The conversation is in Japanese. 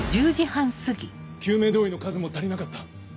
救命胴衣の数も足りなかった。